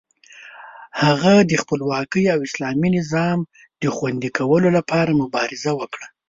هغه د خپلواکۍ او اسلامي نظام د خوندي کولو لپاره مبارزه وکړه.